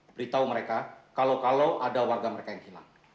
beritahu mereka kalau kalau ada warga mereka yang hilang